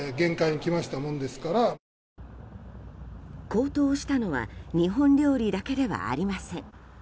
高騰したのは日本料理だけではありません。